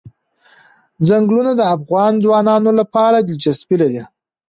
ځنګلونه د افغان ځوانانو لپاره دلچسپي لري.